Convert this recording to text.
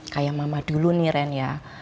kayak mama dulu nih ren ya